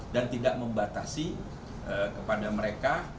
dan tidak membatasi kepada mereka